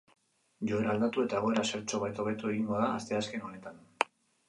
Joera aldatu eta egoera zertxobait hobetu egingo da asteazken honetan.